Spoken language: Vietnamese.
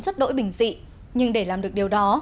rất đỗi bình dị nhưng để làm được điều đó